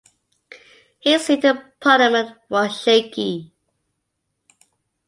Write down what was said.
His seat in Parliament was shaky.